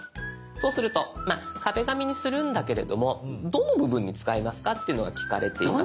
そうすると「壁紙」にするんだけれどもどの部分に使いますか？っていうのが聞かれています。